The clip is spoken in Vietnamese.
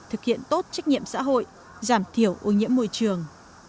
thực hiện tốt trách nhiệm xã hội giảm thiểu ô nhiễm môi trường